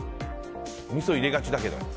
みそを入れがちだけど。